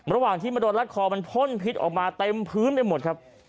ระหว่างที่มาโดนรัดคอมันพ่นพิษออกมาเต็มพื้นไปหมดครับ